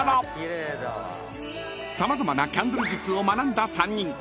［様々なキャンドル術を学んだ３人］